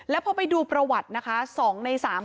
และพอไปดูประวัติสองในสาม